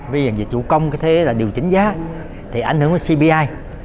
bây giờ dịch vụ công cái thế là điều chỉnh giá thì ảnh hưởng cpi